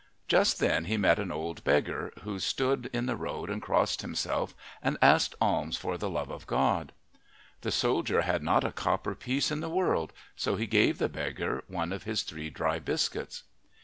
Just then he met an old beggar, who stood in the road and crossed himself and asked alms for the love of God. The soldier had not a copper piece in the world, so he gave the beggar one of his three dry biscuits.